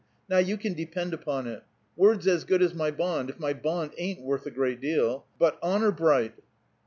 Now you can depend upon it. Word's as good as my bond, if my bond ain't worth a great deal. But, honor bright!"